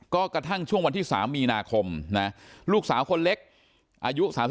ก็กระทั่งช่วงวันที่๓มีนาคมนะลูกสาวคนเล็กอายุ๓๓